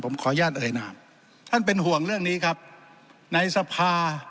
ผมขออนุญาตเอ่ยนามท่านเป็นห่วงเรื่องนี้ครับในสภา